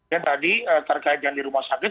dan tadi terkait yang di rumah sakit